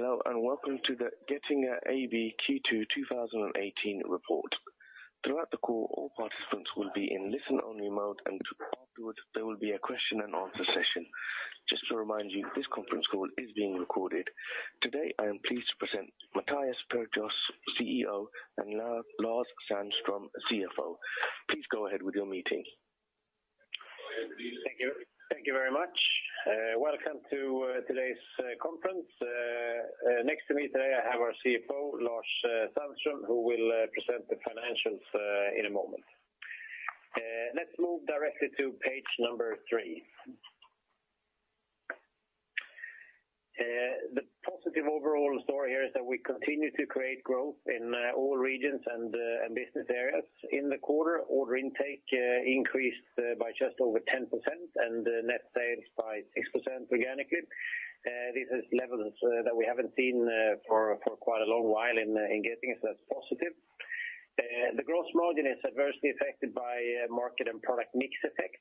Hello, and welcome to the Getinge AB Q2 2018 report. Throughout the call, all participants will be in listen-only mode, and afterwards, there will be a question and answer session. Just to remind you, this conference call is being recorded. Today, I am pleased to present Mattias Perjos, CEO, and Lars Sandström, CFO. Please go ahead with your meeting. Thank you. Thank you very much. Welcome to today's conference. Next to me today, I have our CFO, Lars Sandström, who will present the financials in a moment. Let's move directly to page number three. The positive overall story here is that we continue to create growth in all regions and business areas. In the quarter, order intake increased by just over 10%, and net sales by 6% organically. This is levels that we haven't seen for quite a long while in Getinge. That's positive. The gross margin is adversely affected by market and product mix effect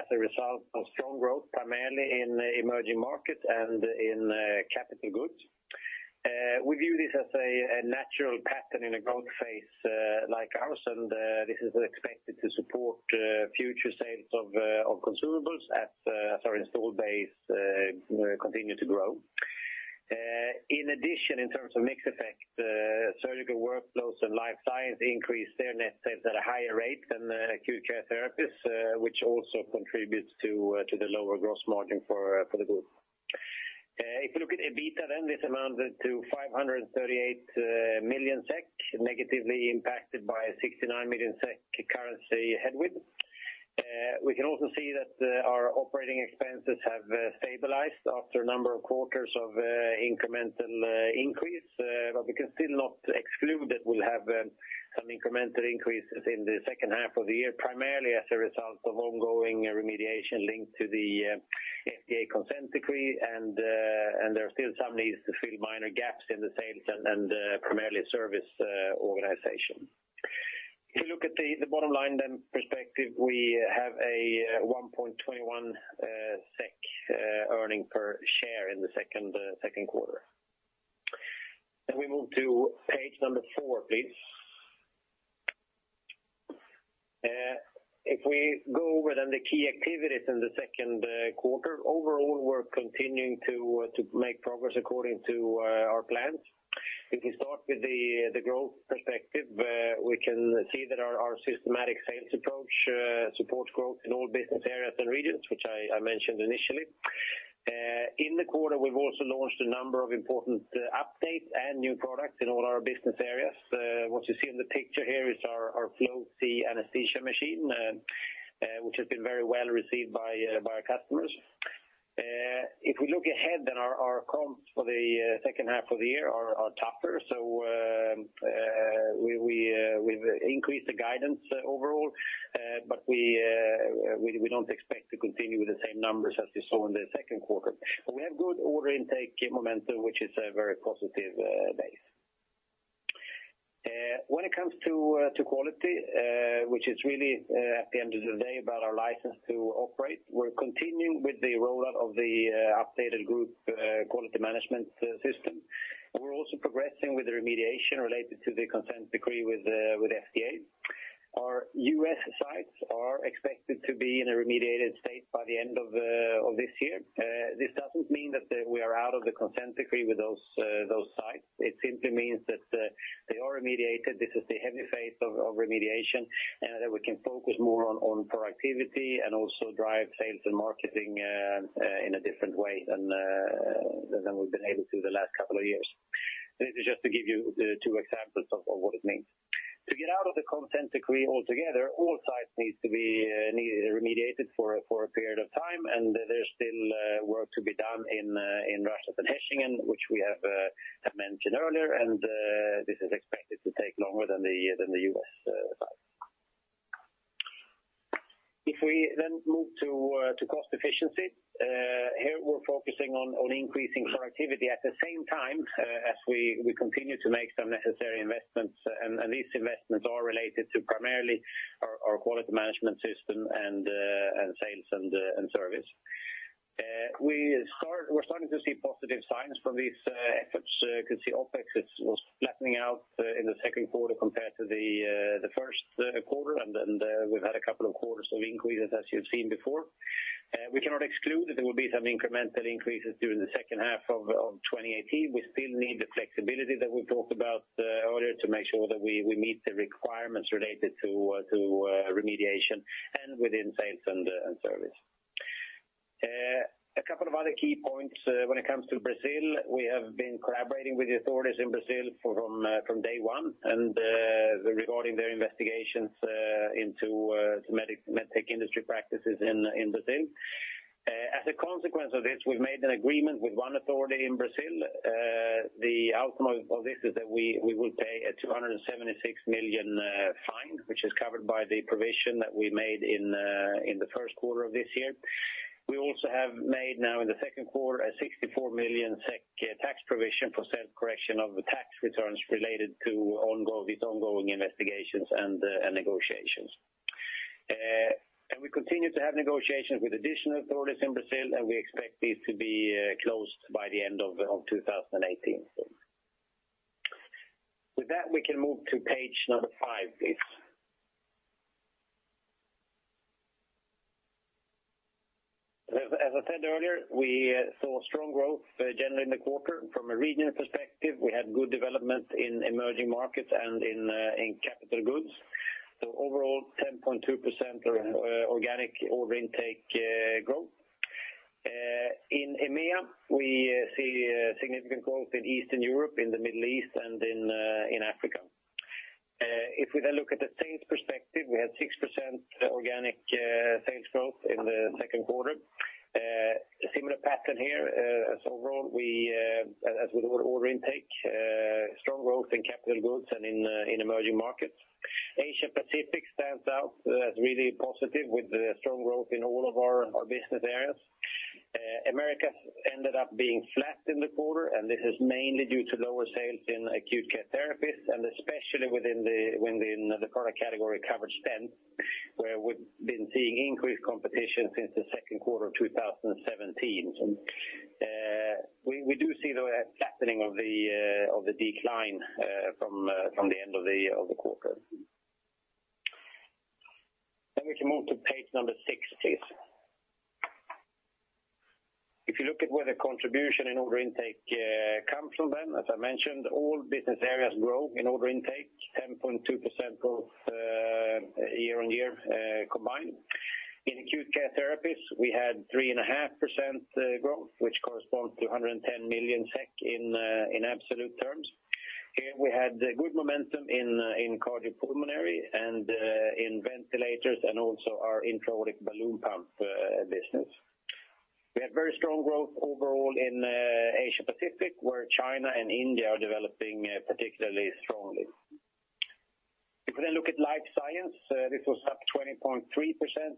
as a result of strong growth, primarily in emerging markets and in capital goods. We view this as a natural pattern in a growth phase like ours, and this is expected to support future sales of consumables as our install base continue to grow. In addition, in terms of mix effect, Surgical Workflows and Life Science increased their net sales at a higher rate than Acute Care Therapies, which also contributes to the lower gross margin for the group. If you look at EBITDA, then this amounted to 538 million SEK, negatively impacted by a 69 million SEK currency headwind. We can also see that our operating expenses have stabilized after a number of quarters of incremental increase, but we can still not exclude that we'll have some incremental increases in the second half of the year, primarily as a result of ongoing remediation linked to the FDA consent decree, and there are still some needs to fill minor gaps in the sales and primarily service organization. If you look at the bottom line, then perspective, we have a 1.21 SEK earning per share in the second quarter. Then we move to page number four, please. If we go over then the key activities in the second quarter, overall, we're continuing to make progress according to our plans. If we start with the growth perspective, we can see that our systematic sales approach supports growth in all business areas and regions, which I mentioned initially. In the quarter, we've also launched a number of important updates and new products in all our business areas. What you see in the picture here is our Flow-c anesthesia machine, which has been very well received by our customers. If we look ahead, then our comps for the second half of the year are tougher, so we've increased the guidance overall, but we don't expect to continue with the same numbers as we saw in the second quarter. We have good order intake momentum, which is a very positive base. When it comes to quality, which is really, at the end of the day, about our license to operate, we're continuing with the rollout of the updated group quality management system. We're also progressing with the remediation related to the consent decree with FDA. Our U.S. sites are expected to be in a remediated state by the end of this year. This doesn't mean that we are out of the consent decree with those sites. It simply means that they are remediated, this is the heavy phase of remediation, and that we can focus more on productivity and also drive sales and marketing in a different way than we've been able to the last couple of years. This is just to give you two examples of what it means. To get out of the consent decree altogether, all sites needs to be remediated for a period of time, and there's still work to be done in Russia and Hechingen, which we have mentioned earlier, and this is expected to take longer than the U.S. site. If we then move to cost efficiency, here, we're focusing on increasing productivity at the same time as we continue to make some necessary investments, and these investments are related to primarily our quality management system and sales and service. We're starting to see positive signs from these efforts. You can see OPEX is, was flattening out, in the second quarter compared to the, the first quarter, and then, we've had a couple of quarters of increases, as you've seen before. We cannot exclude that there will be some incremental increases during the second half of 2018. We still need the flexibility that we talked about, earlier to make sure that we, we meet the requirements related to, to, remediation and within sales and, and service. A couple of other key points, when it comes to Brazil, we have been collaborating with the authorities in Brazil from, from day one, and, regarding their investigations, into, some med tech industry practices in, Brazil. As a consequence of this, we've made an agreement with one authority in Brazil. The outcome of this is that we will pay a 276 million fine, which is covered by the provision that we made in the first quarter of this year. We also have made now in the second quarter a 64 million SEK tax provision for the correction of the tax returns related to these ongoing investigations and negotiations. We continue to have negotiations with additional authorities in Brazil, and we expect these to be closed by the end of 2018. With that, we can move to page number five, please. As I said earlier, we saw strong growth generally in the quarter. From a regional perspective, we had good development in emerging markets and in capital goods. So overall, 10.2% organic order intake growth. In EMEA, we see significant growth in Eastern Europe, in the Middle East, and in Africa. If we then look at the sales perspective, we had 6% organic sales growth in the second quarter. A similar pattern here, as overall, as with order intake, strong growth in capital goods and in emerging markets. Asia Pacific stands out as really positive with the strong growth in all of our business areas. Americas ended up being flat in the quarter, and this is mainly due to lower sales in Acute Care Therapies, and especially within the product category covered stent, where we've been seeing increased competition since the second quarter of 2017. We do see the flattening of the decline from the end of the quarter. We can move to page six, please. If you look at where the contribution in order intake comes from, then, as I mentioned, all business areas grow in order intake 10.2% year-on-year combined. In Acute Care Therapies, we had 3.5% growth, which corresponds to 110 million SEK in absolute terms. Here, we had good momentum in cardiopulmonary and in ventilators and also our intra-aortic balloon pump business. We had very strong growth overall in Asia Pacific, where China and India are developing particularly strongly. If we then look at Life Science, this was up 20.3%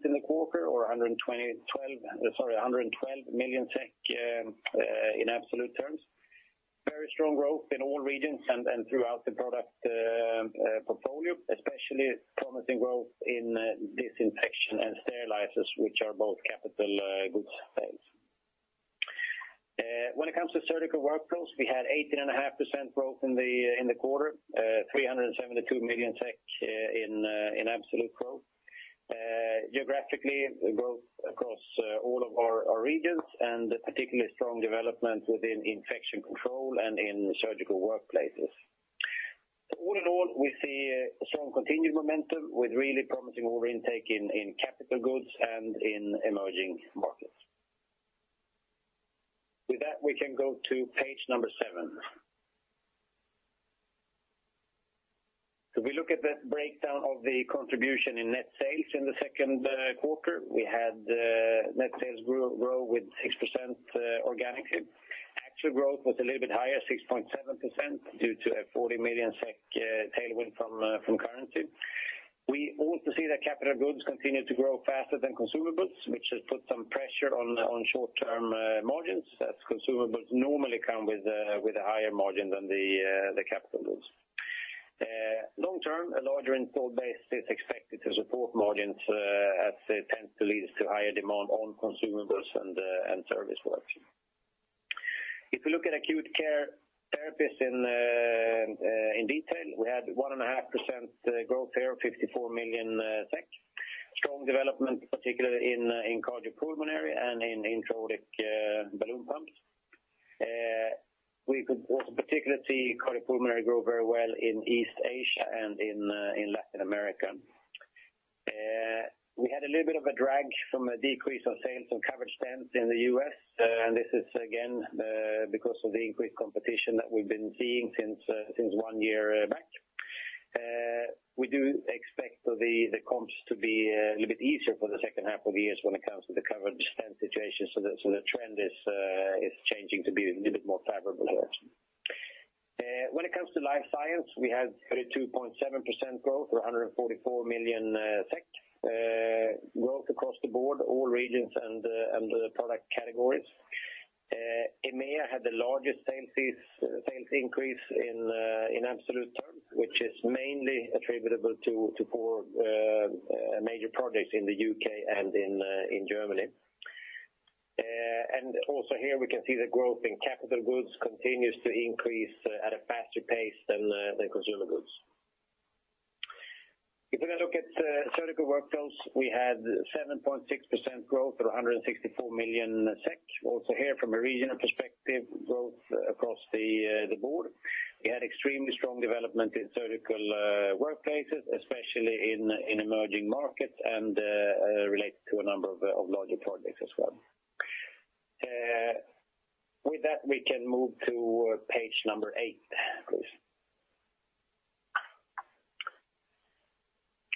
in the quarter, or a 100 and 20, 12, sorry, 112 million SEK, in absolute terms. Very strong growth in all regions and throughout the product portfolio, especially promising growth in disinfection and sterilizers, which are both capital goods sales. When it comes to Surgical Workflows, we had 18.5% growth in the quarter, 372 million in absolute growth. Geographically, growth across all of our regions, and particularly strong development within infection control and in surgical workplaces. All in all, we see a strong continued momentum with really promising order intake in capital goods and in emerging markets. With that, we can go to page number seven. If we look at the breakdown of the contribution in net sales in the second quarter, we had net sales grow with 6% organically. Actual growth was a little bit higher, 6.7%, due to a 40 million SEK tailwind from currency. We also see that capital goods continue to grow faster than consumables, which has put some pressure on short-term margins, as consumables normally come with a higher margin than the capital goods. Long term, a larger install base is expected to support margins, as it tends to lead us to higher demand on consumables and service work. If we look at Acute Care Therapies in detail, we had 1.5% growth here, 54 million SEK. Strong development, particularly in cardiopulmonary and in intra-aortic balloon pumps. We could also particularly see cardiopulmonary grow very well in East Asia and in Latin America. We had a little bit of a drag from a decrease of sales of covered stents in the U.S., and this is again because of the increased competition that we've been seeing since one year back. We do expect the comps to be a little bit easier for the second half of the years when it comes to the covered stent situation, so the trend is changing to be a little bit more favorable here. When it comes to Life Science, we had 32.7% growth, or 144 million. Growth across the board, all regions and product categories. EMEA had the largest sales increase in absolute terms, which is mainly attributable to major projects in the U.K. and in Germany. And also here, we can see the growth in capital goods continues to increase at a faster pace than consumer goods. If we now look at Surgical Workflows, we had 7.6% growth, or 164 million SEK. Also here, from a regional perspective, growth across the board. We had extremely strong development in surgical workplaces, especially in emerging markets and related to a number of larger projects as well. With that, we can move to page number eight, please.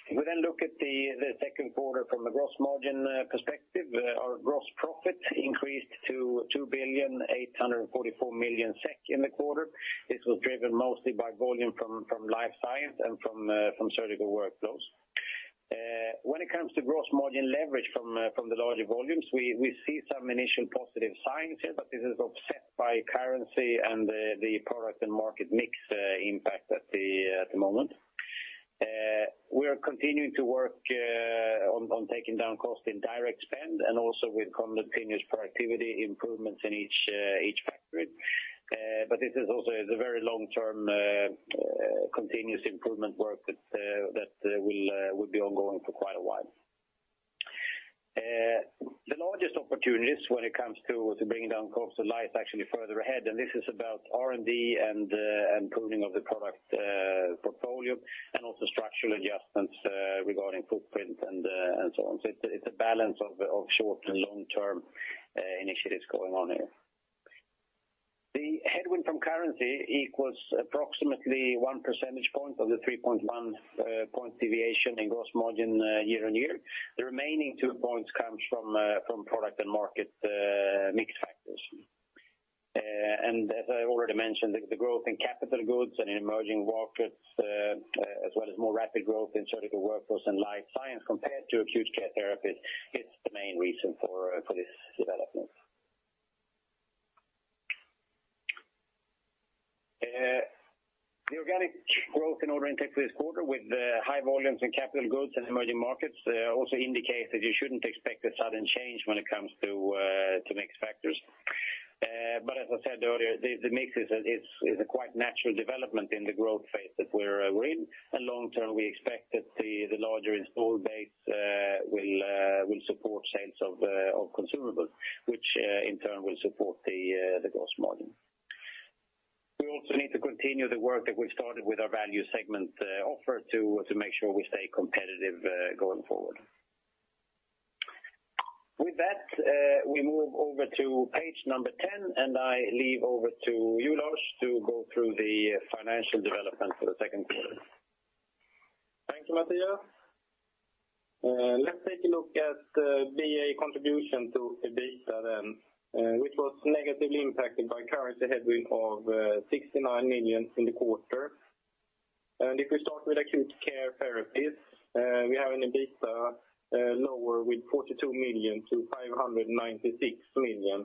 If we then look at the second quarter from a gross margin perspective, our gross profit increased to 2,844 million SEK in the quarter. This was driven mostly by volume from Life Science and from Surgical Workflows. When it comes to gross margin leverage from the larger volumes, we see some initial positive signs here, but this is offset by currency and the product and market mix impact at the moment. We are continuing to work on taking down costs in direct spend and also with continuous productivity improvements in each factory. But this is also the very long term continuous improvement work that will be ongoing for quite a while. The largest opportunities when it comes to bringing down cost of life actually further ahead, and this is about R&D and pruning of the product portfolio, and also structural adjustments regarding footprint and so on. So it's a balance of short- and long-term initiatives going on here. The headwind from currency equals approximately one percentage point of the 3.1-point deviation in gross margin year-on-year. The remaining two points comes from product and market mix factors. As I already mentioned, the growth in capital goods and in emerging markets, as well as more rapid growth in Surgical Workflows and Life Science compared to Acute Care Therapies, is the main reason for this development. The organic growth in order intake this quarter with the high volumes in capital goods and emerging markets also indicates that you shouldn't expect a sudden change when it comes to to mix factors. But as I said earlier, the mix is a quite natural development in the growth phase that we're in. And long term, we expect that the larger installed base will support sales of consumables, which in turn will support the gross margin. We also need to continue the work that we've started with our value segment offer to make sure we stay competitive going forward. With that, we move over to page number 10, and I leave over to you, Lars, to go through the financial development for the second quarter. Thank you, Mattias. Let's take a look at the BA contribution to EBITDA, then, which was negatively impacted by currency headwind of 69 million in the quarter. And if we start with acute care therapies, we have an EBITDA lower with 42 million-596 million,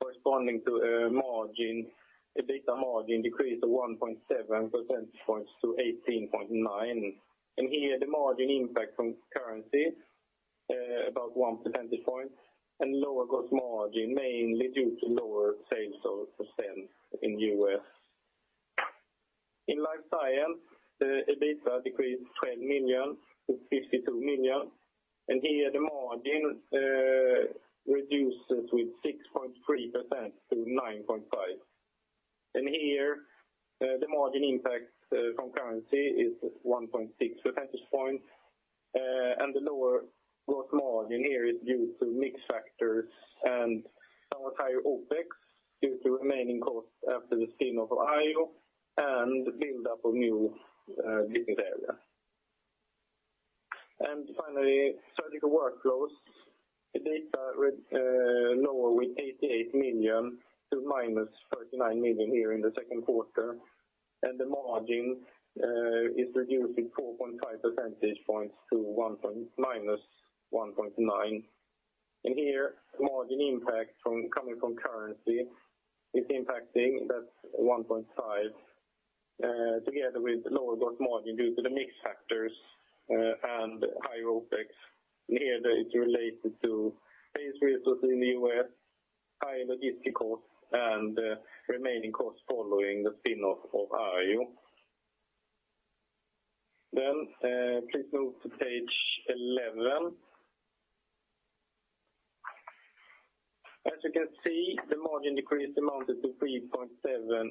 corresponding to a margin, EBITDA margin decrease of 1.7 percentage points to 18.9%. And here, the margin impact from currency about 1 percentage point, and lower gross margin, mainly due to lower sales of stents in the U.S., In Life Science, the EBITDA decreased 12 million-52 million, and here the margin reduces with 6.3% to 9.5%. Here, the margin impact from currency is 1.6 percentage points, and the lower gross margin here is due to mix factors and some higher OPEX, due to remaining costs after the spin of Arjo, and the build up of new business area. Finally, Surgical Workflows, EBITDA lower with 88 million to -39 million here in the second quarter, and the margin is reduced with 4.5 percentage points to -1.9. Here, margin impact from currency is impacting, that's 1.5, together with lower gross margin due to the mix factors, and higher OPEX. Here, it's related to base resource in the U.S., higher logistic costs, and remaining costs following the spin-off of Arjo. Then, please move to page 11. As you can see, the margin decrease amounted to 3.7%,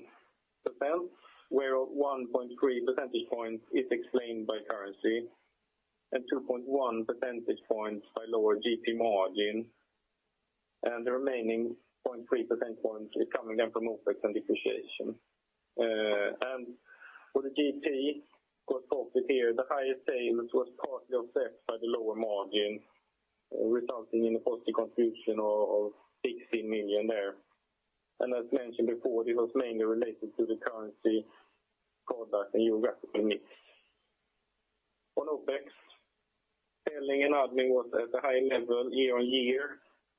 where 1.3 percentage points is explained by currency, and 2.1 percentage points by lower GP margin, and the remaining 0.3 percentage points is coming down from OPEX and depreciation. And for the GP, gross profit here, the higher sales was partly offset by the lower margin, resulting in a positive contribution of 16 million there. And as mentioned before, this was mainly related to the currency product and geographical mix. On OPEX, selling and admin was at a high level year-on-year,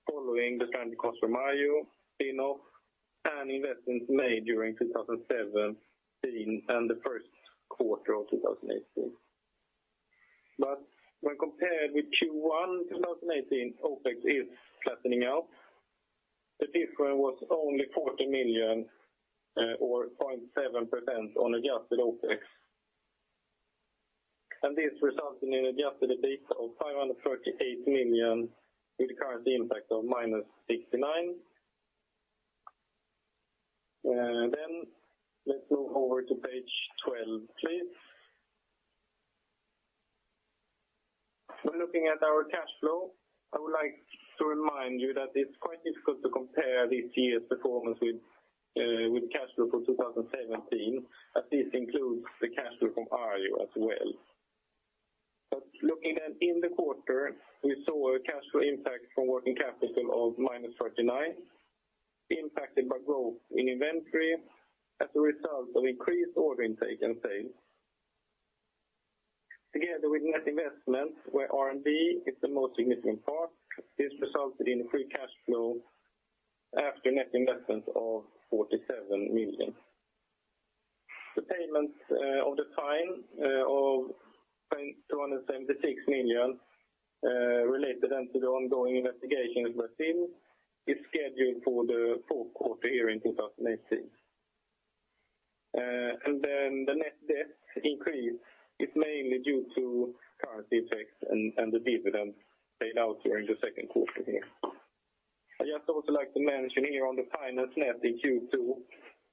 following the current cost from Arjo spin-off, and investments made during 2017, and the first quarter of 2018. But when compared with Q1 2018, OPEX is flattening out. The difference was only 14 million, or 0.7% on adjusted OPEX. This resulted in adjusted EBITDA of 538 million, with a currency impact of -69 million. Then let's move over to page 12, please. When looking at our cash flow, I would like to remind you that it's quite difficult to compare this year's performance with cash flow for 2017, as this includes the cash flow from Arjo as well. Looking at in the quarter, we saw a cash flow impact from working capital of -39 million, impacted by growth in inventory as a result of increased order intake and sales. Together with net investment, where R&D is the most significant part, this resulted in free cash flow after net investments of 47 million. The payment of the fine of 276 million related then to the ongoing investigation in Brazil is scheduled for the fourth quarter here in 2018. Then the net debt increase is mainly due to currency effects and the dividend paid out during the second quarter here. I just also like to mention here on the financial net in Q2,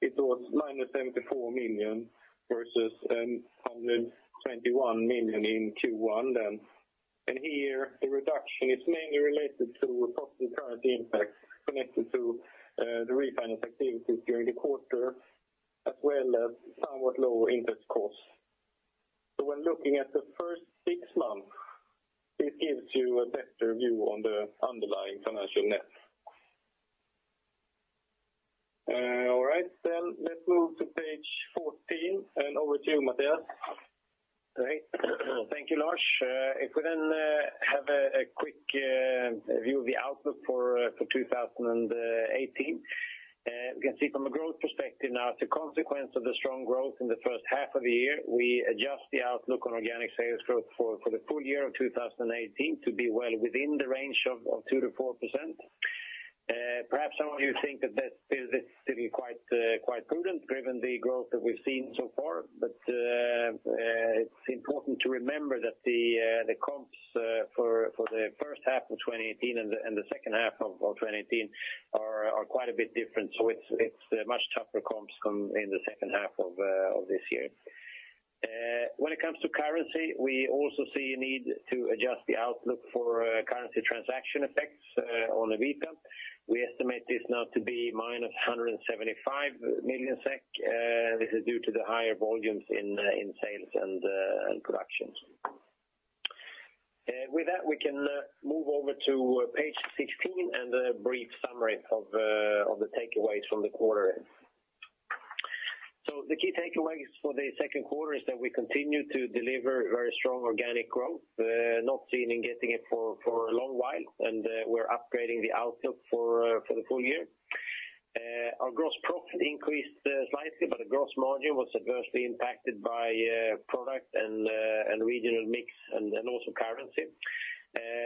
it was -74 million, versus 171 million in Q1 then. And here, the reduction is mainly related to positive currency impact connected to the refinance activities during the quarter, as well as somewhat lower interest costs. So when looking at the first six months, it gives you a better view on the underlying financial net. All right, then let's move to page 14, and over to you, Mattias. Great. Thank you, Lars. If we then have a quick view of the outlook for 2018. You can see from a growth perspective now, as a consequence of the strong growth in the first half of the year, we adjust the outlook on organic sales growth for the full year of 2018 to be well within the range of 2%-4%. Perhaps some of you think that that is still quite prudent, given the growth that we've seen so far. But it's important to remember that the comps for the first half of 2018 and the second half of 2018 are quite a bit different. So it's much tougher comps come in the second half of this year. When it comes to currency, we also see a need to adjust the outlook for currency transaction effects on EBITDA. We estimate this now to be -175 million SEK, this is due to the higher volumes in sales and productions. With that, we can move over to page 16, and a brief summary of the takeaways from the quarter. So the key takeaways for the second quarter is that we continue to deliver very strong organic growth, not seen in Getinge for a long while, and we're upgrading the outlook for the full year. Our gross profit increased slightly, but the gross margin was adversely impacted by product and regional mix, and also currency.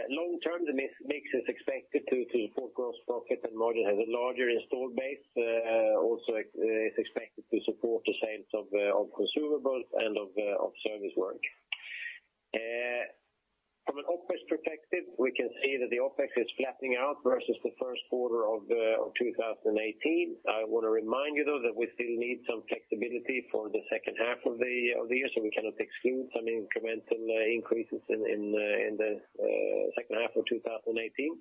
Long term, the mix is expected to support gross profit, and margin has a larger installed base, also is expected to support the sales of consumables and of service work. From an OPEX perspective, we can see that the OPEX is flattening out versus the first quarter of 2018. I want to remind you, though, that we still need some flexibility for the second half of the year, so we cannot exclude some incremental increases in the second half of 2018.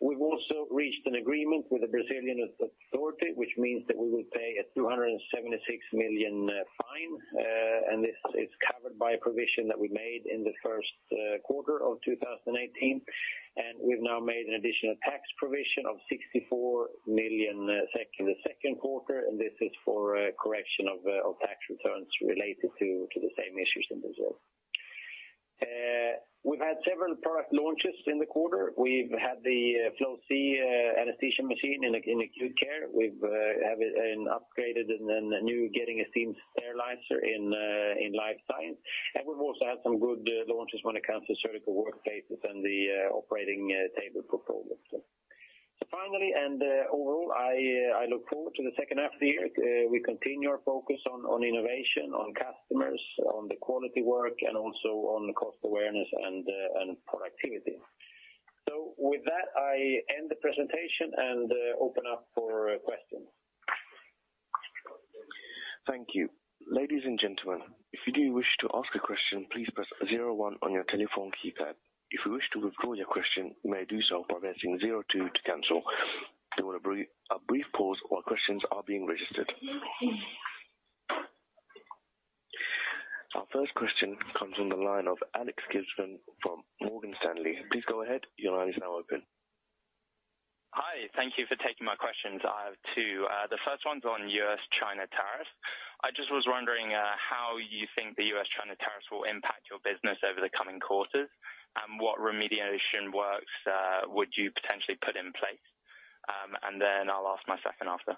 We've also reached an agreement with the Brazilian authority, which means that we will pay a 276 million fine, and this is covered by a provision that we made in the first quarter of 2018. We've now made an additional tax provision of 64 million SEK in the second quarter, and this is for a correction of tax returns related to the same issues in Brazil. We've had several product launches in the quarter. We've had the Flow-c anesthesia machine in acute care. We have an upgraded and then a new Getinge Steam Sterilizer in Life Science. We've also had some good launches when it comes to surgical workplaces and the operating table portfolio. So finally, and overall, I look forward to the second half of the year. We continue our focus on innovation, on customers, on the quality work, and also on cost awareness and productivity. So with that, I end the presentation and open up for questions. Thank you. Ladies and gentlemen, if you do wish to ask a question, please press zero one on your telephone keypad. If you wish to withdraw your question, you may do so by pressing zero two to cancel. There will be a brief pause while questions are being registered. Our first question comes from the line of Alex Gibson from Morgan Stanley. Please go ahead, your line is now open Hi, thank you for taking my questions. I have two. The first one's on U.S.-China tariffs. I just was wondering, how you think the U.S, China tariffs will impact your business over the coming quarters, and what remediation works would you potentially put in place? Then I'll ask my second after.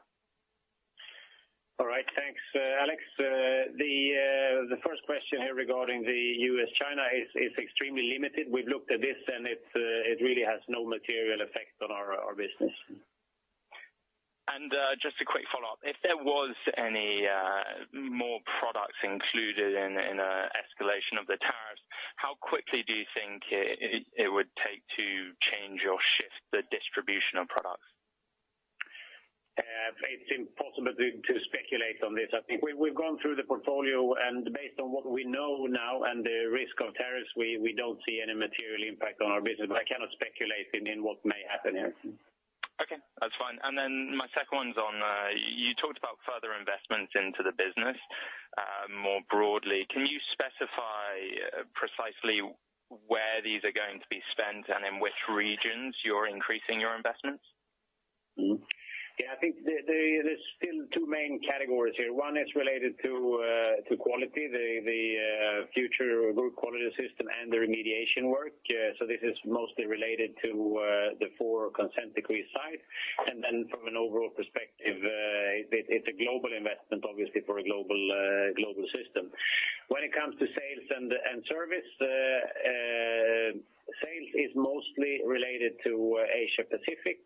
All right, thanks, Alex. The first question here regarding the U.S.-China is extremely limited. We've looked at this, and it really has no material effect on our business. Just a quick follow-up. If there was any more products included in an escalation of the tariffs, how quickly do you think it would take to change or shift the distribution of products? It's impossible to speculate on this. I think we've gone through the portfolio, and based on what we know now and the risk of tariffs, we don't see any material impact on our business, but I cannot speculate in what may happen here. Okay, that's fine. And then my second one's on, you talked about further investments into the business. More broadly, can you specify precisely where these are going to be spent, and in which regions you're increasing your investments? I think there, there's still two main categories here. One is related to quality, the future group quality system and the remediation work. So this is mostly related to the four consent decree sites. And then from an overall perspective, it’s a global investment, obviously, for a global system. When it comes to sales and service, sales is mostly related to Asia Pacific,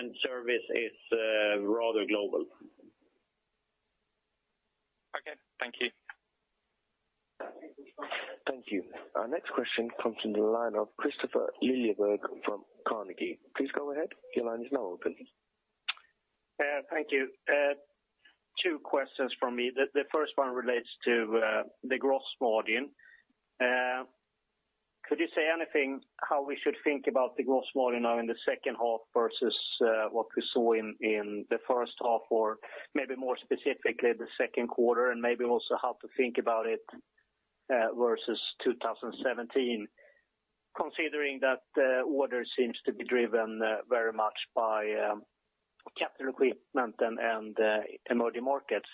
and service is rather global. Okay, thank you. Thank you. Our next question comes from the line of Kristofer Liljeberg from Carnegie. Please go ahead. Your line is now open. Thank you. Two questions from me. The first one relates to the gross margin. Could you say anything how we should think about the gross margin now in the second half versus what we saw in the first half, or maybe more specifically, the second quarter, and maybe also how to think about it versus 2017, considering that the order seems to be driven very much by capital equipment and emerging markets?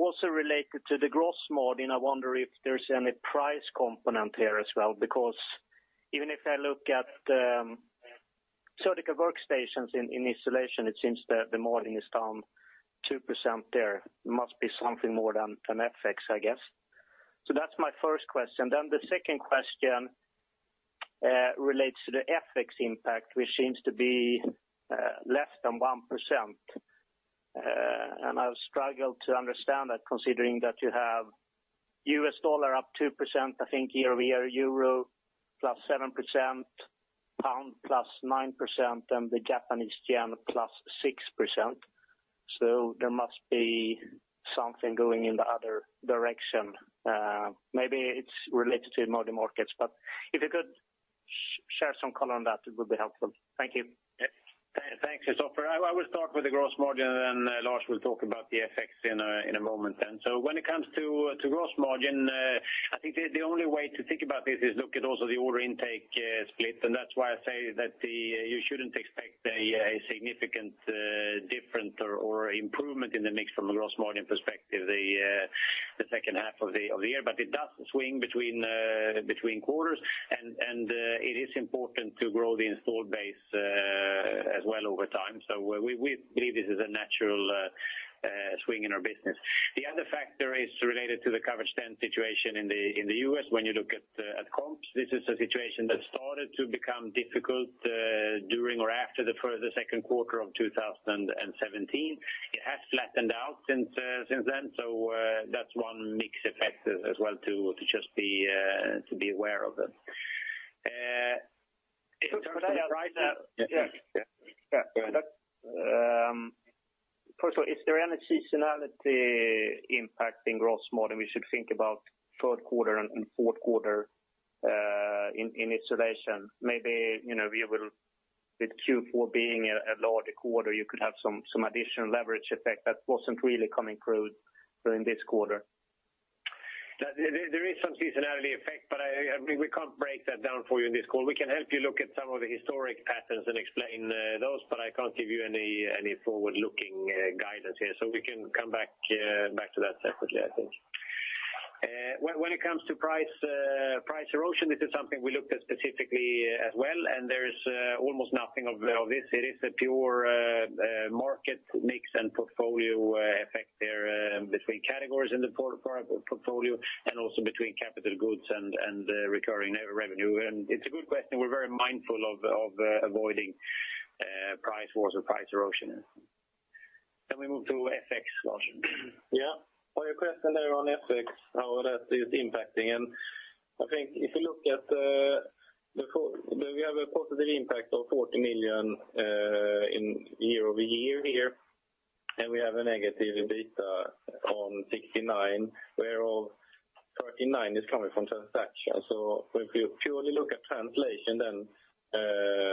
Also related to the gross margin, I wonder if there's any price component here as well, because even if I look at surgical workstations in installation, it seems that the margin is down 2% there. Must be something more than FX, I guess. So that's my first question. Then the second question relates to the FX impact, which seems to be less than 1%. And I've struggled to understand that, considering that you have U.S. dollar up 2%, I think year-over-year euro +7%, pound +9%, and the Japanese yen +6%. So there must be something going in the other direction. Maybe it's related to emerging markets, but if you could share some color on that, it would be helpful. Thank you. Yeah. Thanks, Christopher. I will start with the gross margin, and then Lars will talk about the FX in a moment then. So when it comes to gross margin, I think the only way to think about this is look at also the order intake split, and that's why I say that you shouldn't expect a significant different or improvement in the mix from a gross margin perspective, the second half of the year. But it does swing between quarters, and it is important to grow the installed base as well over time. So we believe this is a natural swing in our business. The other factor is related to the covered stent situation in the U.S. when you look at comps. This is a situation that started to become difficult during or after the second quarter of 2017. It has flattened out since then, so that's one mix effect as well to just be aware of it. In terms of the price- Yeah. Yeah, go ahead. First of all, is there any seasonality impacting gross margin we should think about third quarter and fourth quarter in installation? Maybe, you know, with Q4 being a larger quarter, you could have some additional leverage effect that wasn't really coming through during this quarter. That there is some seasonality effect, but I mean, we can't break that down for you in this call. We can help you look at some of the historic patterns and explain those, but I can't give you any forward-looking guidance here. So we can come back to that separately, I think. When it comes to price erosion, this is something we looked at specifically as well, and there is almost nothing of this. It is a pure market mix and portfolio effect there, between categories in the portfolio and also between capital goods and recurring revenue. And it's a good question. We're very mindful of avoiding price wars or price erosion. Can we move to FX, Lars? Yeah. On your question there on FX, how that is impacting, and I think if you look at the FX, we have a positive impact of 40 million year-over-year here, and we have a negative bit of 69, where all 39 is coming from transactions. So if you purely look at translation, then,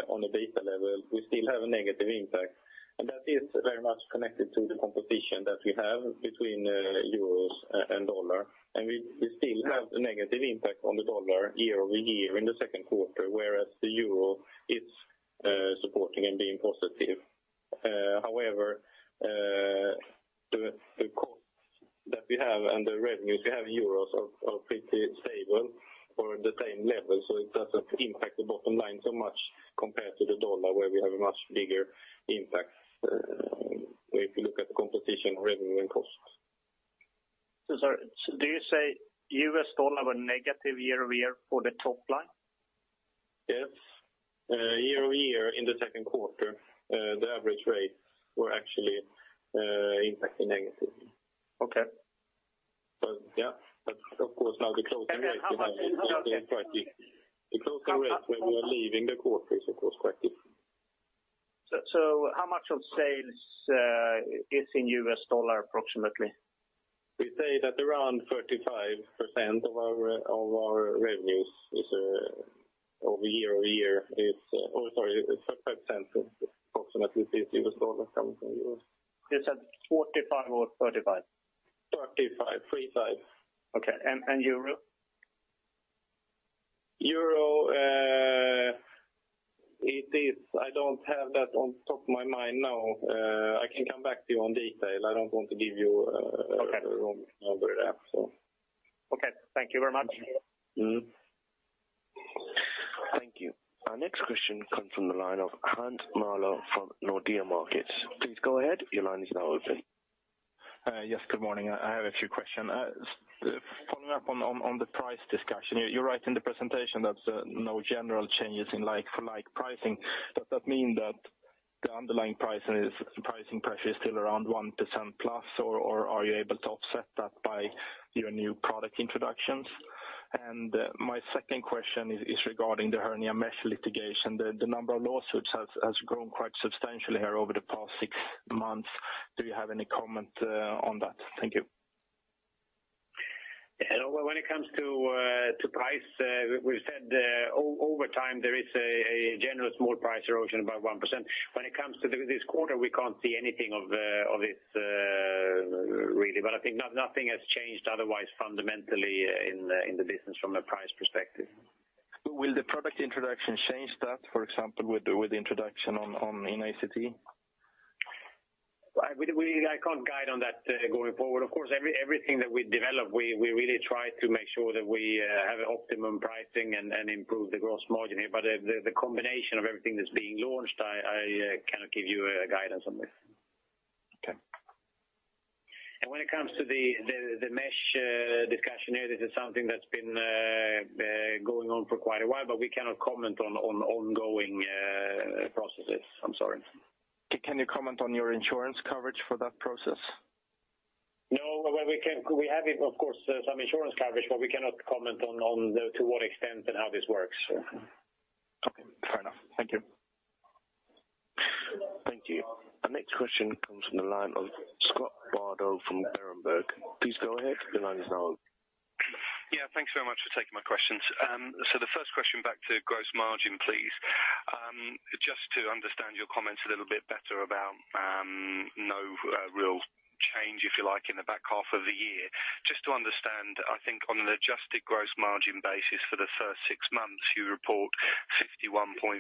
on a delta level, we still have a negative impact, and that is very much connected to the correlation that we have between the euro and dollar. And we still have a negative impact on the dollar year-over-year in the second quarter, whereas the euro is supporting and being positive. However, the cost that we have and the revenues we have in euros are pretty stable or at the same level, so it doesn't impact the bottom line so much compared to the dollar, where we have a much bigger impact, if you look at the competition revenue and costs. So sorry, so do you say U.S. dollar were negative year-over-year for the top line? Yes. Year-over-year in the second quarter, the average rates were actually impacting negative. Okay. Yeah, that's of course now the closing rate- Then how much- The closing rates when we are leaving the quarter is, of course, positive. So, how much of sales is in U.S. dollar, approximately? We say that around 35% of our revenues is over year-over-year. Oh, sorry, 35%, approximately, is U.S. dollar coming from euros. You said 45 or 35? 35, three five. Okay. And, and euro?... euro, it is, I don't have that on top of my mind now. I can come back to you on detail. I don't want to give you, Okay. Wrong [auddistortion] so. Okay, thank you very much. Mm-hmm. Thank you. Our next question comes from the line of Hans Mähler from Nordea Markets. Please go ahead. Your line is now open. Yes, good morning. I have a few questions. Following up on the price discussion, you're right in the presentation that no general changes in, like, for like pricing. Does that mean that the underlying pricing pressure is still around 1%+, or are you able to offset that by your new product introductions? And my second question is regarding the hernia mesh litigation. The number of lawsuits has grown quite substantially here over the past six months. Do you have any comment on that? Thank you. Yeah, well, when it comes to to price, we've said over time, there is a general small price erosion about 1%. When it comes to this quarter, we can't see anything of this really. But I think nothing has changed otherwise fundamentally in the business from a price perspective. Will the product introduction change that, for example, with the introduction on in ACT? I can't guide on that going forward. Of course, everything that we develop, we really try to make sure that we have optimum pricing and improve the gross margin here. But the combination of everything that's being launched, I cannot give you guidance on this. Okay. When it comes to the mesh discussion here, this is something that's been going on for quite a while, but we cannot comment on ongoing processes. I'm sorry. Can you comment on your insurance coverage for that process? No. Well, we can, we have, of course, some insurance coverage, but we cannot comment on to what extent and how this works, so. Okay, fair enough. Thank you. Thank you. Our next question comes from the line of Scott Bardo from Berenberg. Please go ahead. Your line is now open. Yeah, thanks very much for taking my questions. So the first question back to gross margin, please. Just to understand your comments a little bit better about no real change, if you like, in the back half of the year. Just to understand, I think on an adjusted gross margin basis for the first six months, you report 51.3%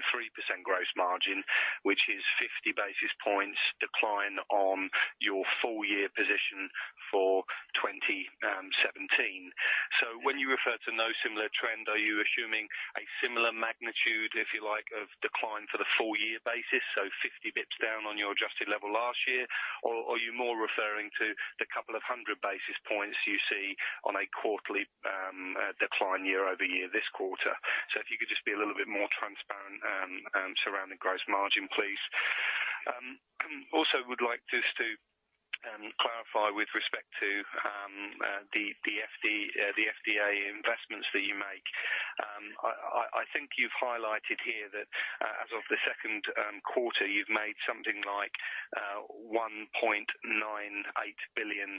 gross margin, which is 50 basis points decline on your full-year position for 2017. So when you refer to no similar trend, are you assuming a similar magnitude, if you like, of decline for the full year basis, so 50 basis points down on your adjusted level last year? Or, are you more referring to the couple of 100 basis points you see on a quarterly decline year-over-year, this quarter? So if you could just be a little bit more transparent surrounding gross margin, please. Also would like just to clarify with respect to the FDA investments that you make. I think you've highlighted here that as of the second quarter, you've made something like 1.98 billion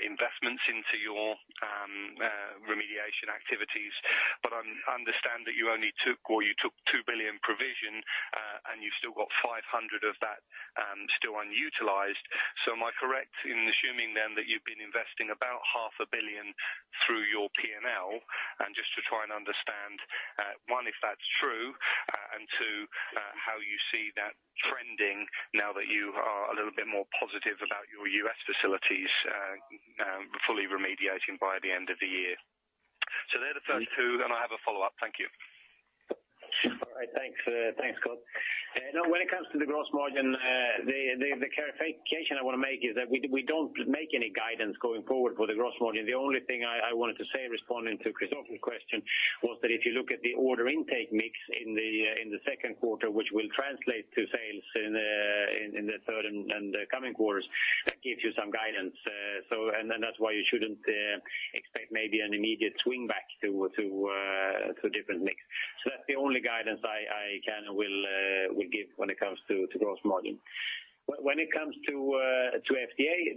investments into your remediation activities. But I understand that you only took, or you took 2 billion provision, and you've still got 500 million of that still unutilized. So am I correct in assuming then, that you've been investing about 0.5 billion through your P&L? Just to try and understand, one, if that's true, and two, how you see that trending now that you are a little bit more positive about your U.S. facilities fully remediating by the end of the year. So they're the first two, then I have a follow-up. Thank you. All right. Thanks, thanks, Scott. Now, when it comes to the gross margin, the clarification I want to make is that we don't make any guidance going forward for the gross margin. The only thing I wanted to say, responding to Kristofer's question, was that if you look at the order intake mix in the second quarter, which will translate to sales in the third and the coming quarters, that gives you some guidance. So and then that's why you shouldn't expect maybe an immediate swing back to a different mix. So that's the only guidance I can and will give when it comes to gross margin. When it comes to FDA,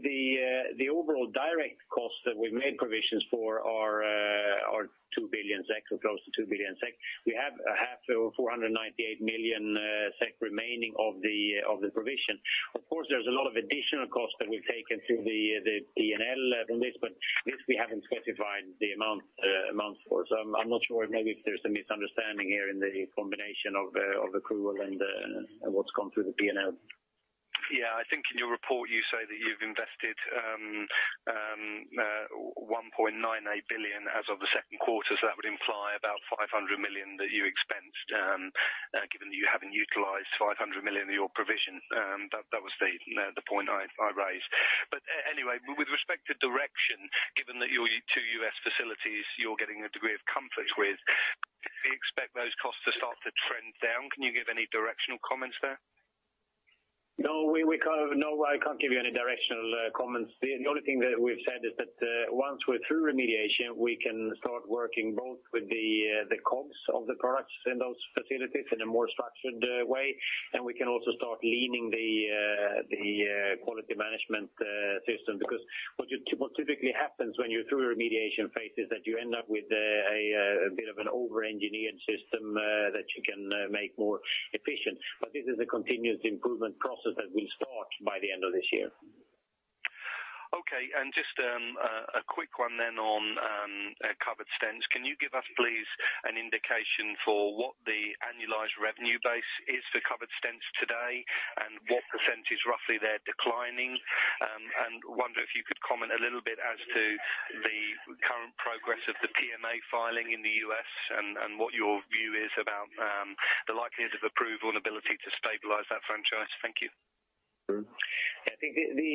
the overall direct costs that we've made provisions for are 2 billion SEK, or close to 2 billion SEK. We have half, or 498 million SEK remaining of the provision. Of course, there's a lot of additional costs that we've taken through the P&L from this, but this we haven't specified the amount for. So I'm not sure maybe if there's a misunderstanding here in the combination of accrual and what's gone through the P&L. Yeah. I think in your report, you say that you've invested 1.98 billion as of the second quarter, so that would imply about 500 million that you expensed, given that you haven't utilized 500 million of your provision. That was the point I raised. But anyway, with respect to direction, given that your two U.S. facilities you're getting a degree of comfort with, do you expect those costs to start to trend down? Can you give any directional comments there? No, we can't. No, I can't give you any directional comments. The only thing that we've said is that once we're through remediation, we can start working both with the costs of the products in those facilities in a more structured way, and we can also start leaning the quality management system. Because what typically happens when you're through a remediation phase is that you end up with a bit of an over-engineered system that you can make more efficient. But this is a continuous improvement process that will start by the end of this year. ... Okay, and just, a quick one then on, covered stents. Can you give us, please, an indication for what the annualized revenue base is for covered stents today, and what percentage roughly they're declining? And wonder if you could comment a little bit as to the current progress of the PMA filing in the U.S. and, and what your view is about, the likelihood of approval and ability to stabilize that franchise. Thank you. I think the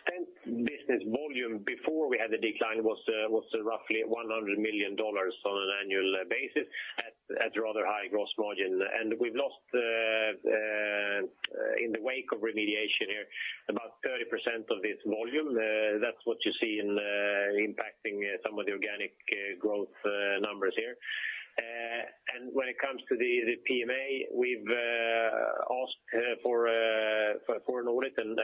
stent business volume before we had the decline was roughly $100 million on an annual basis, at rather high gross margin. And we've lost in the wake of remediation here, about 30% of this volume. That's what you see in impacting some of the organic growth numbers here. And when it comes to the PMA, we've asked for an audit and--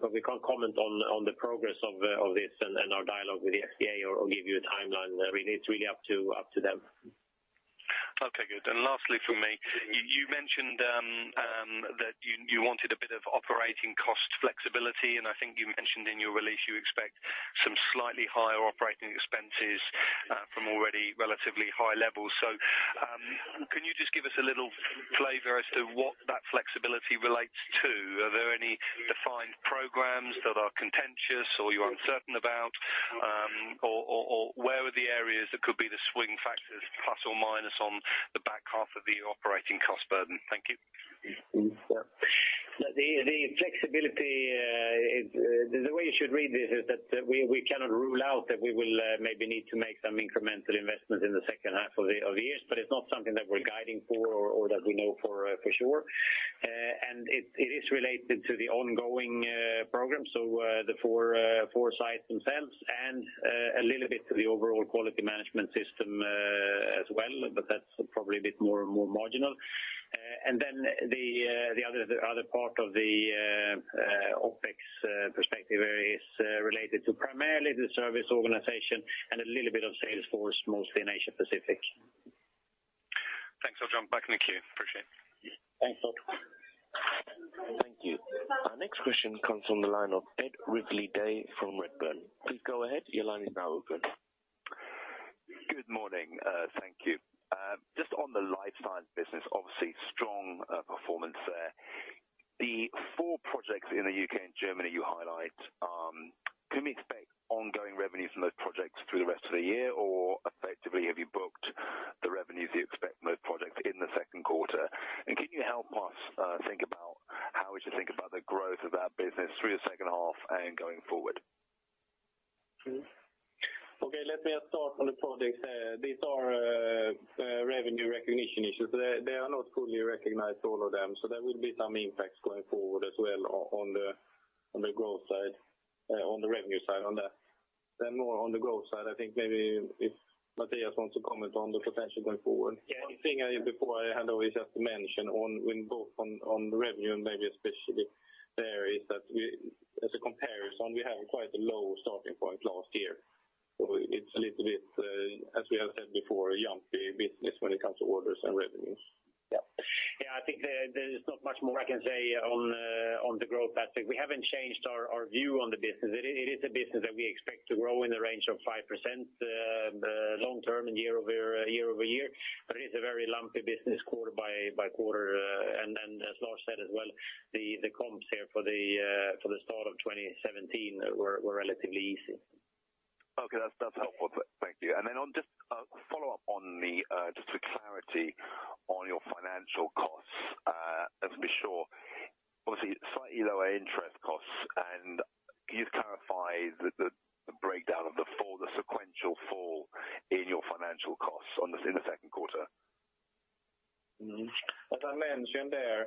but we can't comment on the progress of this and our dialogue with the FDA or give you a timeline. Really, it's really up to them. Okay, good. And lastly, for me, you mentioned that you wanted a bit of operating cost flexibility, and I think you mentioned in your release you expect some slightly higher operating expenses from already relatively high levels. So, can you just give us a little flavor as to what that flexibility relates to? Are there any defined programs that are contentious or you're uncertain about? Or where are the areas that could be the swing factors, plus or minus, on the back half of the operating cost burden? Thank you. The flexibility, the way you should read this is that we cannot rule out that we will maybe need to make some incremental investments in the second half of the year, but it's not something that we're guiding for or that we know for sure. And it is related to the ongoing program. So, the four sites themselves and a little bit to the overall quality management system as well, but that's probably a bit more marginal. And then the other part of the OPEX perspective is related to primarily the service organization and a little bit of sales force, mostly in Asia Pacific. Thanks, I will jump back in the queue. Appreciate it. Thanks, Scott. Thank you. Our next question comes from the line of Ed Ridley-Day from Redburn. Please go ahead. Your line is now open. Good morning. Thank you. Just on the Life Science business, obviously, strong performance there. The four projects in the U.K. and Germany you highlight, can we expect ongoing revenue from those projects through the rest of the year, or effectively, have you booked the revenues you expect from those projects in the second quarter? And can you help us, think about how we should think about the growth of that business through the second half and going forward? Okay, let me start on the projects. These are revenue recognition issues. They are not fully recognized, all of them, so there will be some impacts going forward as well on the growth side, on the revenue side on that. Then more on the growth side, I think maybe if Mattias wants to comment on the potential going forward. Yeah, one thing, before I hand over, just to mention on, when both on, on the revenue and maybe especially there, is that we, as a comparison, we have quite a low starting point last year. So it's a little bit, as we have said before, a lumpy business when it comes to orders and revenues. Yeah. Yeah, I think there is not much more I can say on the growth aspect. We haven't changed our view on the business. It is a business that we expect to grow in the range of 5% long term and year-over-year, but it is a very lumpy business quarter by quarter. And then, as Lars said as well, the comps here for the start of 2017 were relatively easy. Okay, that's, that's helpful. Thank you. And then on just a follow-up on the just for clarity on your financial costs, just to be sure, obviously, slightly lower interest costs. And can you clarify the breakdown of the fall, the sequential fall in your financial costs on the... in the second quarter? As I mentioned there,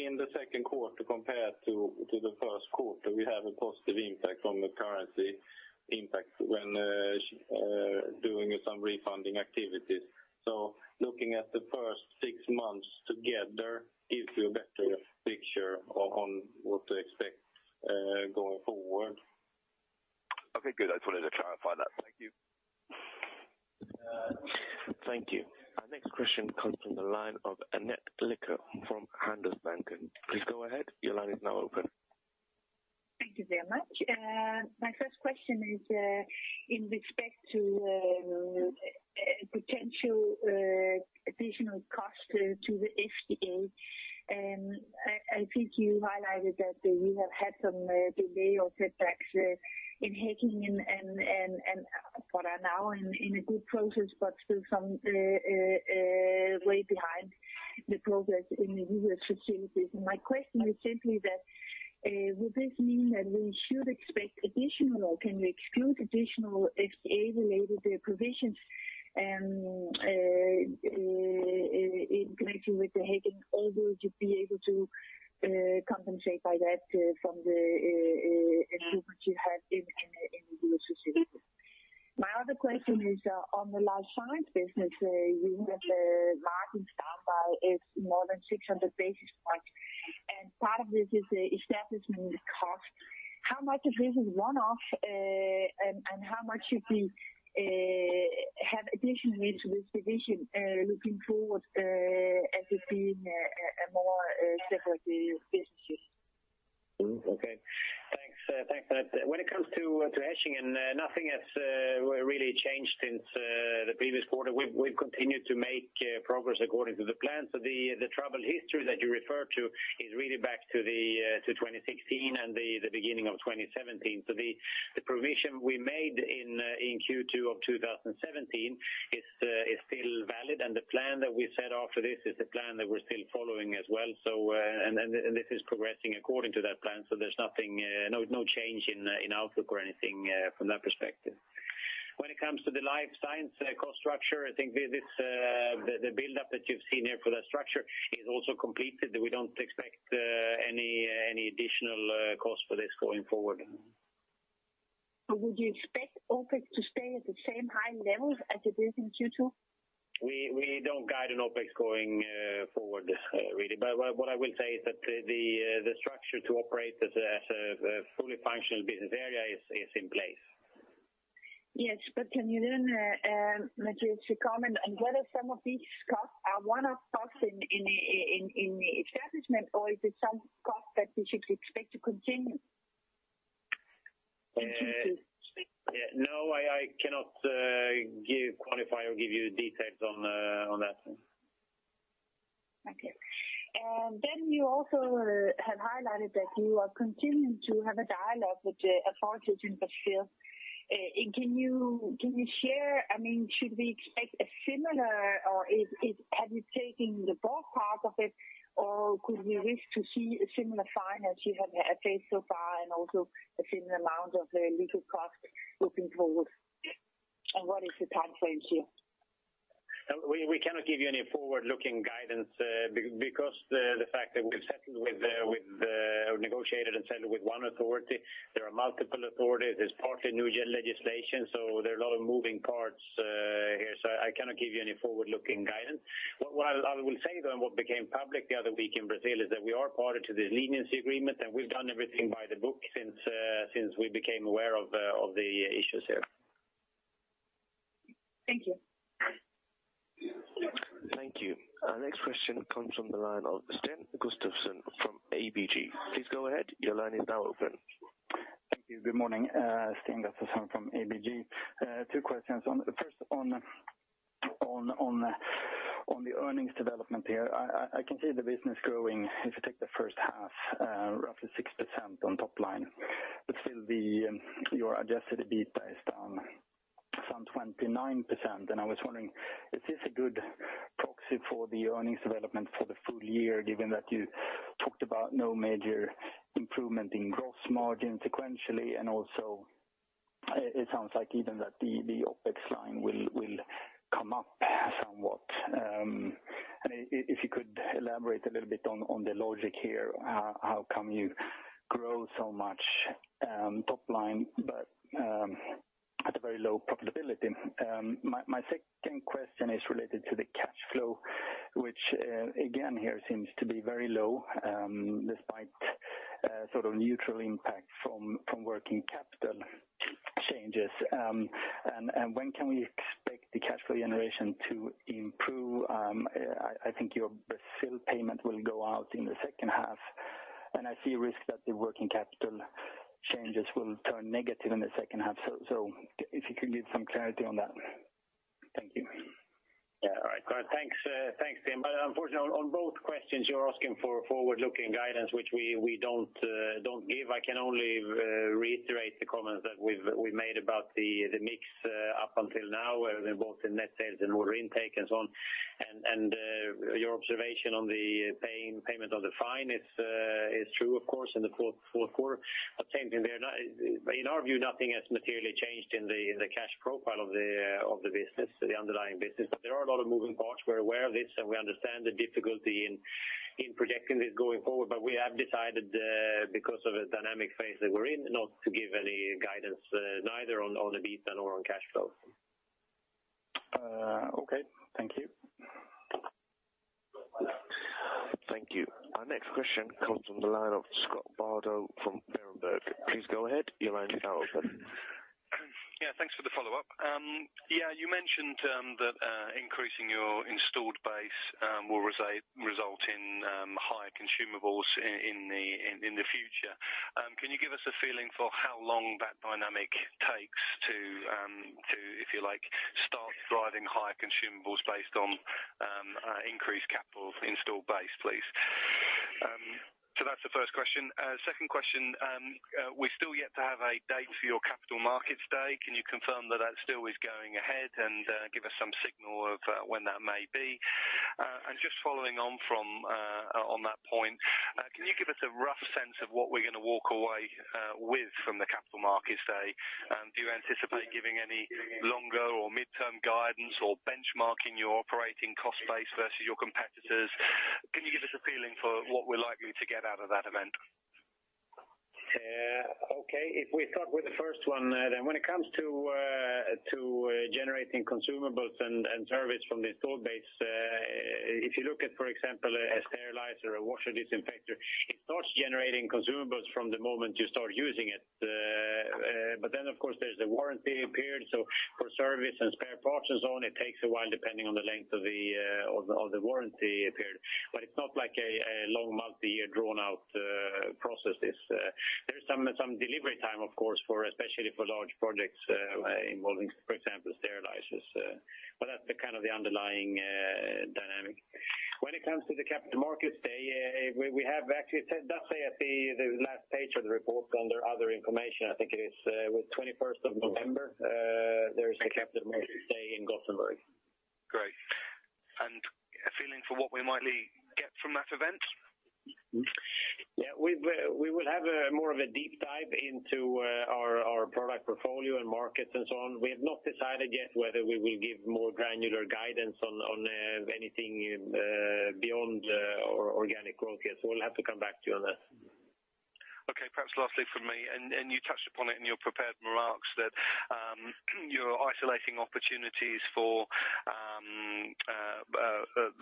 in the second quarter, compared to the first quarter, we have a positive impact on the currency impact when doing some refunding activities. So looking at the first six months together gives you a better picture on what to expect, going forward. Okay, good. I just wanted to clarify that. Thank you. Thank you. Our next question comes from the line of Annette Lykke from Handelsbanken. Please go ahead. Your line is now open. Thank you very much. My first question is in respect to potential additional costs to the FDA. I think you highlighted that you have had some delay or setbacks in Hechingen and, but are now in a good process, but still some way behind the progress in the U.S. facilities. My question is simply that, would this mean that we should expect additional, or can we exclude additional FDA-related provisions, including with the Hechingen, or would you be able to compensate by that from the improvements you have in U.S. facilities? My other question is on the Life Science business, you had a margin expansion by more than 600 basis points, and part of this is the establishment cost. How much of this is one-off, and how much should be, have additionally to this division, looking forward, as it being a more separate businesses. Okay. Thanks for that. When it comes to Hechingen, nothing has really changed since the previous quarter. We've continued to make progress according to the plan. So the troubled history that you refer to is really back to 2016 and the beginning of 2017. So the provision we made in Q2 of 2017 is still valid, and the plan that we set after this is a plan that we're still following as well. So, and then this is progressing according to that plan, so there's nothing, no change in outlook or anything from that perspective. When it comes to the Life Science cost structure, I think the build-up that you've seen here for that structure is also completed. We don't expect any additional cost for this going forward. Would you expect OPEX to stay at the same high levels as it is in Q2? We don't guide an OPEX going forward really. But what I will say is that the structure to operate as a fully functional business area is in place. Yes, but can you then make a comment on whether some of these costs are one-off costs in establishment, or is it some cost that we should expect to continue in Q2? Yeah, no, I cannot quantify or give you details on that. Okay. And then you also have highlighted that you are continuing to have a dialogue with the authorities in Brazil. Can you share... I mean, should we expect a similar, or is, have you taken the bold part of it, or could we risk to see a similar fine as you have faced so far, and also a similar amount of legal costs looking forward? And what is the time frame here? We cannot give you any forward-looking guidance, because the fact that we've settled with, negotiated and settled with one authority. There are multiple authorities. There's partly new gen legislation, so there are a lot of moving parts here, so I cannot give you any forward-looking guidance. But what I will say, though, and what became public the other week in Brazil, is that we are party to this leniency agreement, and we've done everything by the book since we became aware of the issues here. Thank you. Thank you. Our next question comes from the line of Sten Gustafsson from ABG. Please go ahead. Your line is now open. Thank you. Good morning, Sten Gustafsson from ABG. Two questions. First, on the earnings development here. I can see the business growing, if you take the first half, roughly 6% on top line. But still, your adjusted EBITDA is down some 29%, and I was wondering, is this a good proxy for the earnings development for the full year, given that you talked about no major improvement in gross margin sequentially, and also, it sounds like even that the OPEX line will come up somewhat? And if you could elaborate a little bit on the logic here, how come you grow so much top line, but at a very low profitability? My second question is related to the cash flow, which again here seems to be very low, despite sort of neutral impact from working capital changes. And when can we expect the cash flow generation to improve? I think your Brazil payment will go out in the second half, and I see a risk that the working capital changes will turn negative in the second half. So if you can give some clarity on that. Thank you. Yeah, all right. Thanks, thanks, Sten. But unfortunately, on both questions, you're asking for forward-looking guidance, which we, we don't, don't give. I can only, reiterate the comments that we've, we've made about the, the mix, up until now, both in net sales and order intake and so on. And, and, your observation on the paying, payment of the fine is, is true, of course, in the fourth, fourth quarter. But same thing, there, in our view, nothing has materially changed in the, in the cash profile of the, of the business, the underlying business. But there are a lot of moving parts. We're aware of this, and we understand the difficulty in predicting this going forward, but we have decided, because of the dynamic phase that we're in, not to give any guidance, neither on the EBITDA or on cash flow. Okay. Thank you. Thank you. Our next question comes from the line of Scott Bardo from Berenberg. Please go ahead. Your line is now open. Yeah, thanks for the follow-up. Yeah, you mentioned that increasing your installed base will result in higher consumables in the future. Can you give us a feeling for how long that dynamic takes to, if you like, start driving higher consumables based on increased capital installed base, please? So that's the first question. Second question, we're still yet to have a date for your Capital Markets Day. Can you confirm that that still is going ahead, and give us some signal of when that may be? And just following on from that point, can you give us a rough sense of what we're gonna walk away with from the Capital Markets Day? Do you anticipate giving any longer or midterm guidance or benchmarking your operating cost base versus your competitors? Can you give us a feeling for what we're likely to get out of that event? Okay. If we start with the first one, then when it comes to generating consumables and service from the installed base. If you look at, for example, a sterilizer, a washer disinfector, it starts generating consumables from the moment you start using it. But then, of course, there's a warranty period, so for service and spare parts and so on, it takes a while, depending on the length of the warranty period. But it's not like a long, multi-year, drawn-out processes. There's some delivery time, of course, especially for large projects involving, for example, sterilizers. But that's the kind of underlying dynamic. When it comes to the Capital Markets Day, we have actually it does say at the last page of the report under other information, I think it is, with 21st of November, there is a Capital Markets Day in Gothenburg. Great. And a feeling for what we might get from that event? Yeah, we will, we will have a more of a deep dive into our product portfolio and markets and so on. We have not decided yet whether we will give more granular guidance on anything beyond our organic growth yet, so we'll have to come back to you on that. Okay, perhaps lastly from me, and you touched upon it in your prepared remarks, that you're isolating opportunities for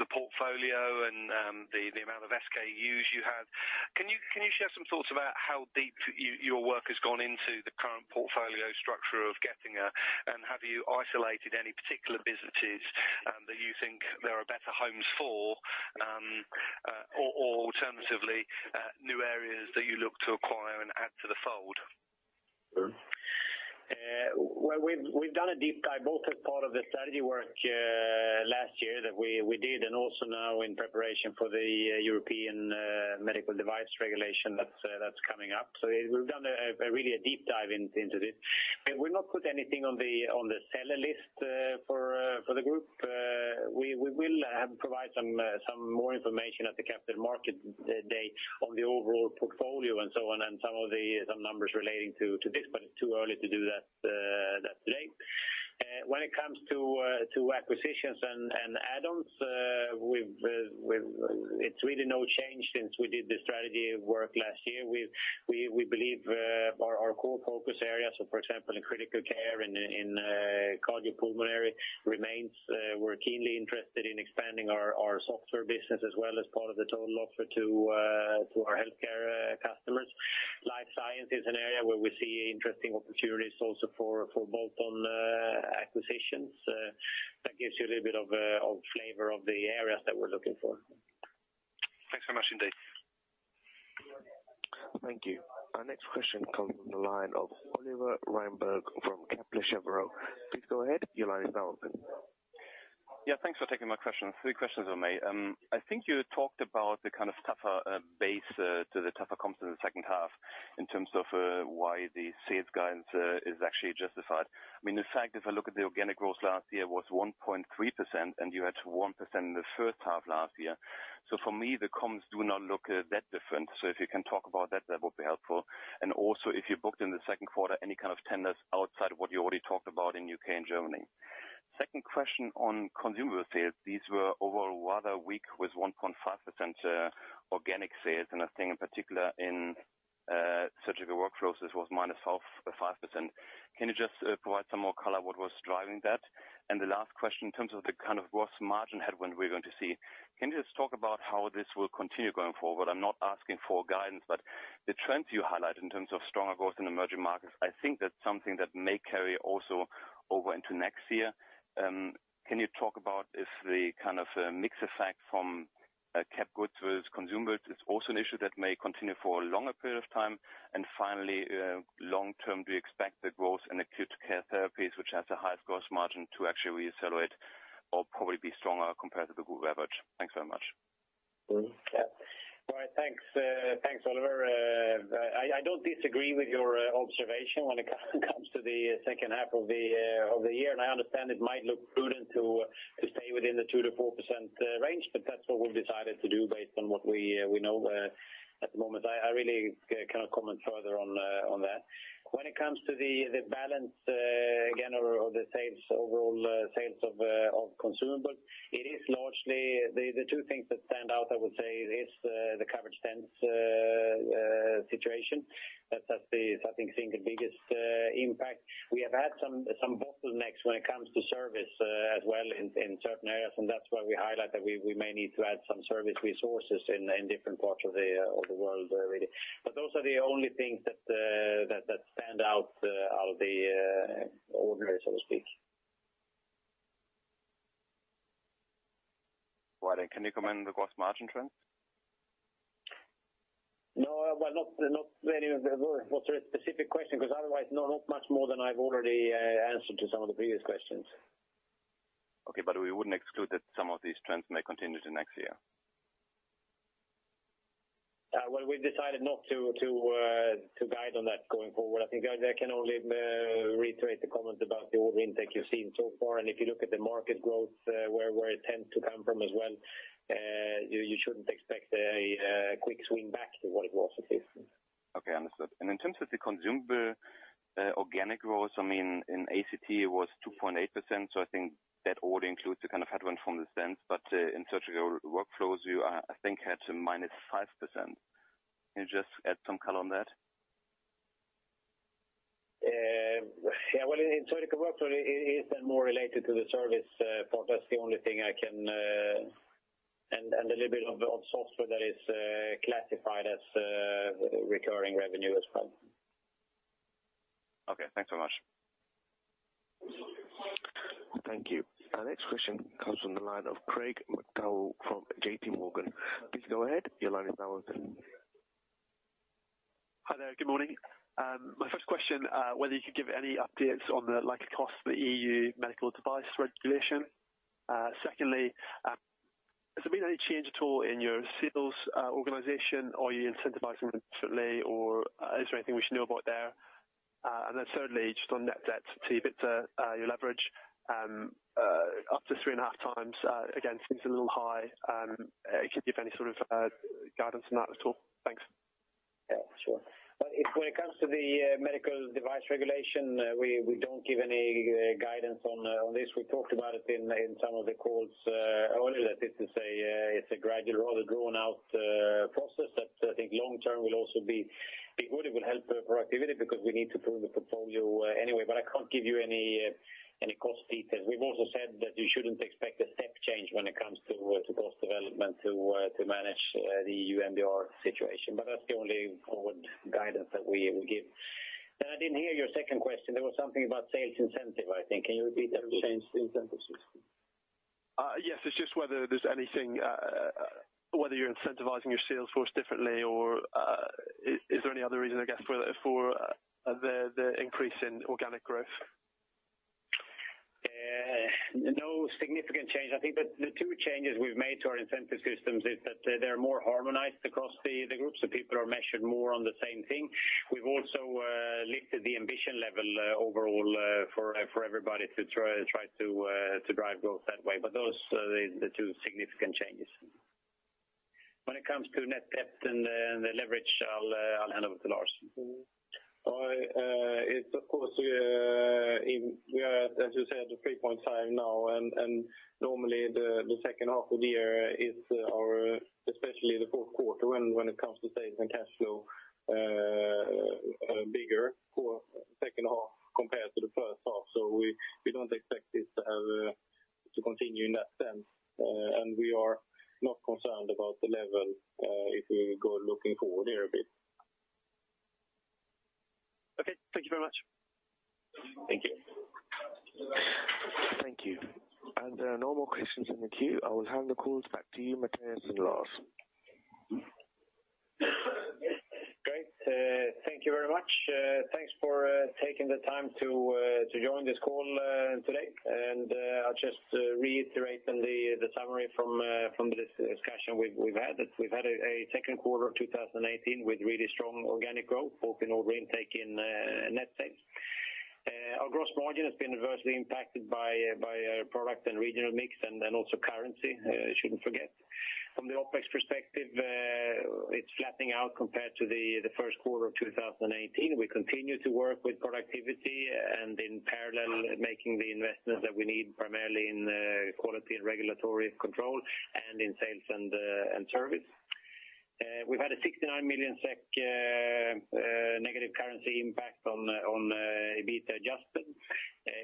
the portfolio and the amount of SKUs you have. Can you share some thoughts about how deep your work has gone into the current portfolio structure of Getinge, and have you isolated any particular businesses that you think there are better homes for, or alternatively, new areas that you look to acquire and add to the fold? Well, we've done a deep dive, both as part of the strategy work last year that we did, and also now in preparation for the European Medical Device Regulation that's coming up. So we've done a really deep dive into this. We've not put anything on the seller list for the group. We will provide some more information at the Capital Markets Day on the overall portfolio and so on, and some of the numbers relating to this, but it's too early to do that today. When it comes to acquisitions and add-ons, we've, it's really no change since we did the strategy work last year. We believe our core focus areas, so for example, in critical care, in cardiopulmonary remains, we're keenly interested in expanding our software business as well as part of the total offer to our healthcare customers. Life Science is an area where we see interesting opportunities also for bolt-on acquisitions. That gives you a little bit of flavor of the areas that we're looking for. Thanks so much indeed. Thank you. Our next question comes from the line of Oliver Reinberg from Kepler Cheuvreux. Please go ahead. Your line is now open. Yeah, thanks for taking my question. Three questions for me. I think you talked about the kind of tougher base to the tougher comps in the second half in terms of why the sales guidance is actually justified. I mean, in fact, if I look at the organic growth last year was 1.3%, and you had 1% in the first half last year. So for me, the comps do not look that different. So if you can talk about that, that would be helpful. And also, if you booked in the second quarter, any kind of tenders outside of what you already talked about in U.K and Germany. Second question on consumable sales. These were overall rather weak, with 1.5% organic sales, and I think in particular in Surgical Workflows, this was -0.5% or 5%. Can you just provide some more color what was driving that? And the last question, in terms of the kind of gross margin headwind we're going to see, can you just talk about how this will continue going forward? I'm not asking for guidance, but the trends you highlight in terms of stronger growth in emerging markets, I think that's something that may carry also over into next year. Can you talk about if the kind of mix effect from cap goods with consumables is also an issue that may continue for a longer period of time? Finally, long term, do you expect the growth in Acute Care Therapies, which has the highest gross margin, to actually reaccelerate or probably be stronger compared to the group average? Thanks very much. Yeah. All right, thanks, thanks, Oliver. I don't disagree with your observation when it comes to the second half of the year, and I understand it might look prudent to stay within the 2%-4% range, but that's what we've decided to do based on what we know at the moment. I really cannot comment further on that. When it comes to the balance again of the sales, overall, sales of consumables, it is largely the two things that stand out, I would say, is the covered stents situation. That's the, I think, the biggest impact. We have had some bottlenecks when it comes to service, as well in certain areas, and that's why we highlight that we may need to add some service resources in different parts of the world, really. But those are the only things that stand out of the ordinary, so to speak. Right, and can you comment on the gross margin trends? No, well, not, not very, was there a specific question? Because otherwise, no, not much more than I've already answered to some of the previous questions. Okay, but we wouldn't exclude that some of these trends may continue to next year? Well, we've decided not to guide on that going forward. I think I can only reiterate the comment about the order intake you've seen so far, and if you look at the market growth, where it tends to come from as well, you shouldn't expect a quick swing back to what it was before. Okay, understood. And in terms of the consumable, organic growth, I mean, in ACT, it was 2.8%, so I think that already includes the kind of headwind from the stents, but in Surgical Workflows, you, I think, had some -5%. Can you just add some color on that?... Yeah, well, in surgical work, so it is then more related to the service part. That's the only thing I can—and a little bit of software that is classified as recurring revenue as well. Okay, thanks so much. Thank you. Our next question comes from the line of Craig McDowell from JPMorgan. Please go ahead. Your line is now open. Hi there. Good morning. My first question, whether you could give any updates on the like, cost of the EU Medical Device Regulation? Secondly, has there been any change at all in your sales organization? Are you incentivizing differently or, is there anything we should know about there? And then thirdly, just on net debt, EBITDA, your leverage, up to 3.5x, again, seems a little high. Could you give any sort of, guidance on that at all? Thanks. Yeah, sure. If when it comes to the medical device regulation, we don't give any guidance on this. We talked about it in some of the calls earlier, that this is a gradual rather drawn out process that I think long term will also be good. It will help productivity, because we need to prune the portfolio anyway, but I can't give you any cost details. We've also said that you shouldn't expect a step change when it comes to cost development to manage the EU MDR situation, but that's the only forward guidance that we give. And I didn't hear your second question. There was something about sales incentive, I think. Can you repeat that, please? Yes, it's just whether there's anything. Whether you're incentivizing your sales force differently or is there any other reason, I guess, for the increase in organic growth? No significant change. I think that the two changes we've made to our incentive systems is that they're more harmonized across the group, so people are measured more on the same thing. We've also lifted the ambition level overall for everybody to try to drive growth that way. But those are the two significant changes. When it comes to net debt and the leverage, I'll hand over to Lars. It's of course, we are, as you said, at 3.5x now, and normally the second half of the year is our, especially the fourth quarter, when it comes to sales and cash flow, bigger for second From the OPEX perspective, it's flattening out compared to the first quarter of 2018. We continue to work with productivity, and in parallel, making the investments that we need, primarily in quality and regulatory control and in sales and service. We've had a 69 million SEK negative currency impact on EBITDA adjusted.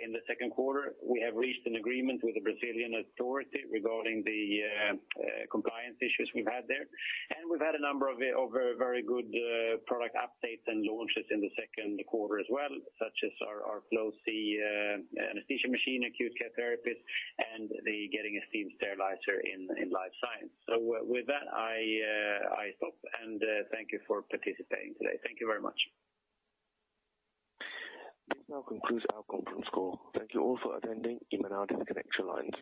In the second quarter, we have reached an agreement with the Brazilian authority regarding the compliance issues we've had there. We've had a number of very good product updates and launches in the second quarter as well, such as our Flow-c anesthesia machine, Acute Care Therapies, and the Getinge Steam Sterilizer in Life Science. With that, I stop, and thank you for participating today. Thank you very much. This now concludes our conference call. Thank you all for attending. You may now disconnect your lines.